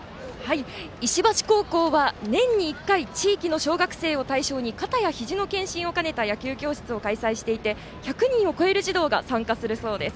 石橋高校は年に１回地域の小学生を対象に肩やひじの検診をかねた野球教室を開催していて１００人を超える児童が参加するそうです。